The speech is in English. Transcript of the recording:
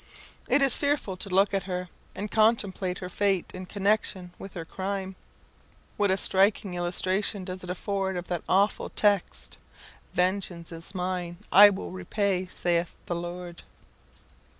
It is fearful to look at her, and contemplate her fate in connexion with her crime. What a striking illustration does it afford of that awful text, "Vengeance is mine, I will repay, saith the Lord!"